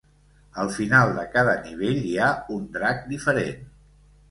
Al final de cada nivell hi ha un drac diferent.